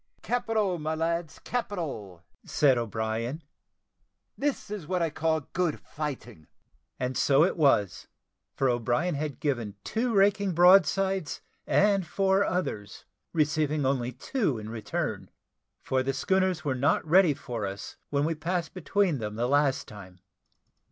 "Capital, my lads capital!" said O'Brien; "this is what I call good fighting." And so it was; for O'Brien had given two raking broadsides, and four others, receiving only two in return, for the schooners were not ready for us when we passed between them the last time.